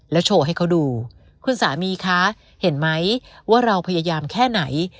โชว์ให้เขาดูคุณสามีคะเห็นไหมว่าเราพยายามแค่ไหน